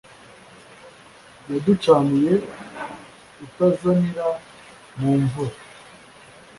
yaducaniye utazanira mu mvura